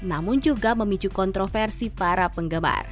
namun juga memicu kontroversi para penggemar